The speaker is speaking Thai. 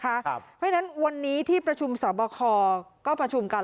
เพราะฉะนั้นวันนี้ที่ประชุมสอบคอก็ประชุมกัน